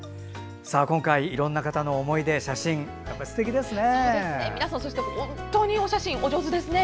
今回、いろんな方の思い出、写真すてきですね。